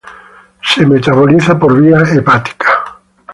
Se metaboliza por vía hepática.